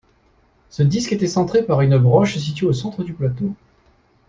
Ce disque était centré par une broche située au centre du plateau.